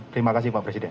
terima kasih pak presiden